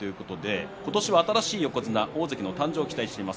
今年は新しい横綱、大関の誕生を期待しています。